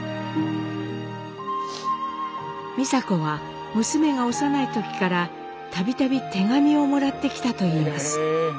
美佐子は娘が幼い時から度々手紙をもらってきたといいます。